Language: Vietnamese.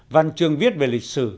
văn trường viết về lịch sử